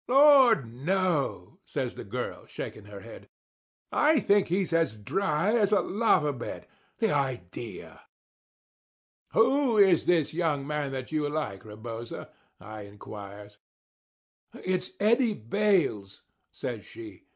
"Lord! no," says the girl, shaking her head. "I think he's as dry as a lava bed. The idea!" "Who is this young man that you like, Rebosa?" I inquires. "It's Eddie Bayles," says she.